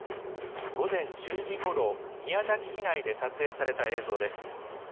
午前１０時ごろ、宮崎市内で撮影された映像です。